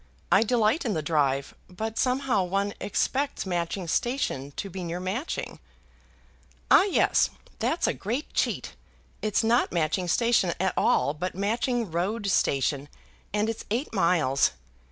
"I delight in the drive. But somehow one expects Matching Station to be near Matching." "Ah, yes; that's a great cheat. It's not Matching Station at all but Matching Road Station, and it's eight miles.